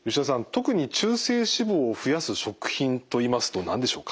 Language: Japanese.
特に中性脂肪を増やす食品といいますと何でしょうか？